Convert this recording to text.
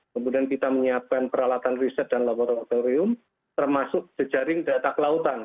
kemudian kita menyiapkan peralatan riset dan laboratorium termasuk jejaring data kelautan